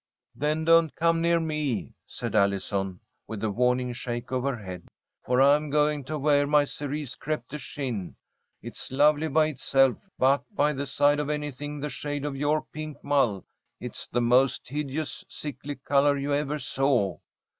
"Then don't come near me," said Allison, with a warning shake of her head, "for I am going to wear my cerise crêpe de chine. It's lovely by itself, but by the side of anything the shade of your pink mull it's the most hideous, sickly colour you ever saw.